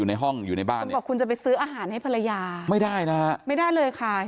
ในห้องอยู่ในบ้านคุณบอกคุณจะไปซื้ออาหารให้ภรรยาไม่ได้นะฮะไม่ได้เลยค่ะ